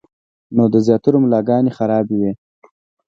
نو د زياترو ملاګانې خرابې وي -